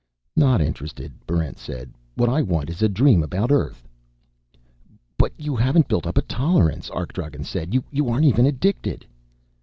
"Not interested," Barrent said. "What I want is a dream about Earth." "But you haven't built up a tolerance!" Arkdragen said. "You aren't even addicted."